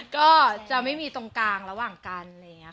ก็จะไม่มีตรงกลางระหว่างกัน